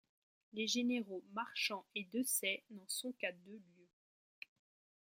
Les généraux Marchand et Dessaix n'en sont qu'à deux lieues.